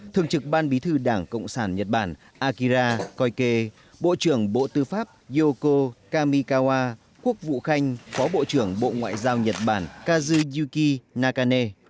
thường trực ban bí thư đảng cộng sản nhật bản akira koike bộ trưởng bộ tư pháp yoko kamikawa quốc vụ khanh phó bộ trưởng bộ ngoại giao nhật bản kazuki nakane